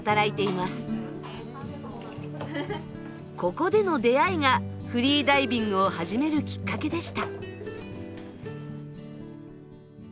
ここでの出会いがフリーダイビングを始めるきっかけでした。